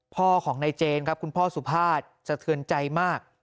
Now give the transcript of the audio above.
พ่อของนายเจนครับคุณพ่อสุภาษย์สะเทือนใจมาก